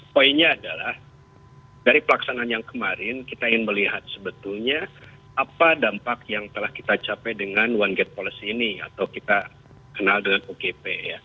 poinnya adalah dari pelaksanaan yang kemarin kita ingin melihat sebetulnya apa dampak yang telah kita capai dengan one gate policy ini atau kita kenal dengan ogp